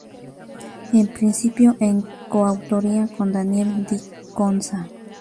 En principio en coautoría con Daniel Di Conza.